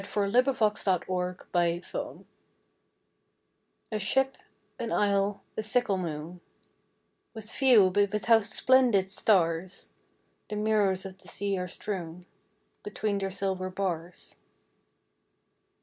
174 A Ship^ an Isle, a Sickle Moon A ship, an isle, a sickle moon — With few but with how splendid stars The mirrors of the sea are strewn Between their silver bars